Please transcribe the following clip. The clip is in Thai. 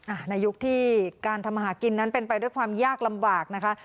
ในยุคที่การทำอาหารกินนั้นเป็นไปด้วยความยากลำบากนะคะ